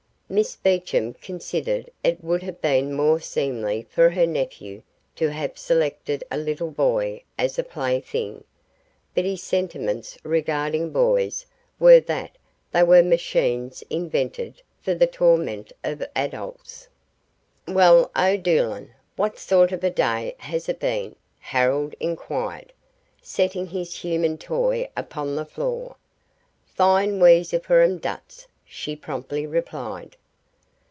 Miss Beecham considered it would have been more seemly for her nephew to have selected a little boy as a play thing, but his sentiments regarding boys were that they were machines invented for the torment of adults. "Well, O'Doolan, what sort of a day has it been?" Harold inquired, setting his human toy upon the floor. "Fine wezzer for yim duts," she promptly replied.